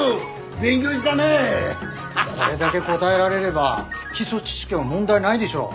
これだけ答えられれば基礎知識は問題ないでしょう。